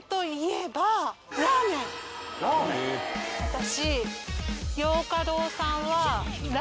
私。